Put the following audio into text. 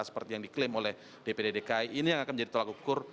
seperti yang diklaim oleh dpd dki ini yang akan menjadi tolak ukur